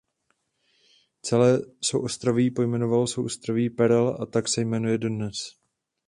Celé souostroví pojmenoval Souostroví perel a tak se jmenuje dodnes.